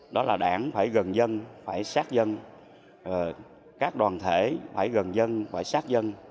đó là đảng phải gần dân phải sát dân các đoàn thể phải gần dân phải sát dân